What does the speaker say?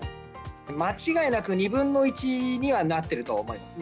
間違いなく、２分の１にはなってると思います。